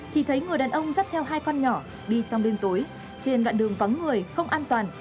thì thấy người đàn ông dắt theo hai con nhỏ đi trong đêm tối trên đoạn đường vắng người không an toàn